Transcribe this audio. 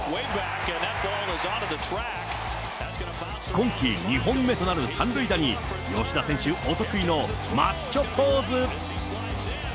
今季２本目となる３塁打に、吉田選手、お得意のマッチョポーズ。